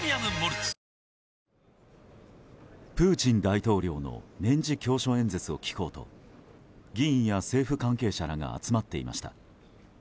プーチン大統領の年次教書演説を聞こうと議員や政府関係者らが集まっていました。